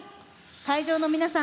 会場の皆さん